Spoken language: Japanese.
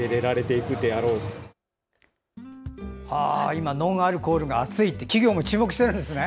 今ノンアルコールが熱いと企業も注目しているんですね。